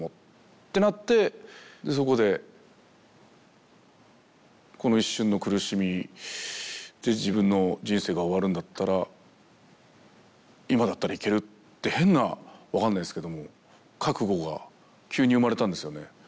そこでこの一瞬の苦しみで自分の人生が終わるんだったら今だったらいけるって変な分かんないですけども覚悟が急に生まれたんですよね。